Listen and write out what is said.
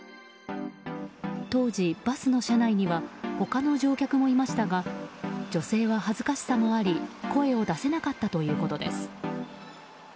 当時、バスの車内には他の乗客もいましたが女性は恥ずかしさもあり声を出せなかったということです。